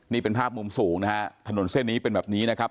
นี่เป็นภาพมุมสูงนะฮะถนนเส้นนี้เป็นแบบนี้นะครับ